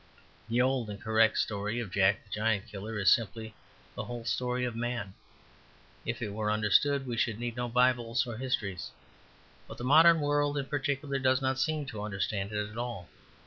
The old and correct story of Jack the Giant Killer is simply the whole story of man; if it were understood we should need no Bibles or histories. But the modern world in particular does not seem to understand it at all.